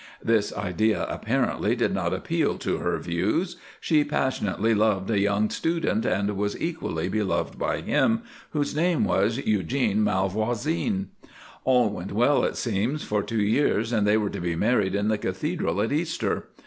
This idea, apparently, did not appeal to her views. She passionately loved a young student, and was equally beloved by him, whose name was Eugene Malvoisine. "All went well it seems, for two years, and they were to be married in the Cathedral at Easter.